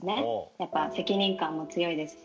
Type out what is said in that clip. やっぱ責任感も強いですし。